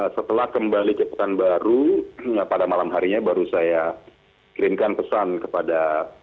setelah kembali ke pekanbaru pada malam harinya baru saya kirimkan pesan kepada